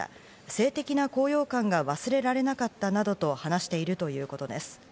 性的な高揚感が忘れられなかったなどと話しているということです。